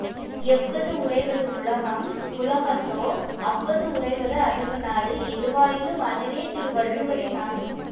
எவ்வது உறைவது உலகம் உலகத்தோ அவ்வது உறைவது அறிவு நாடு எதுவாயினும் அதுவே திருவள்ளுவரின் நாடு!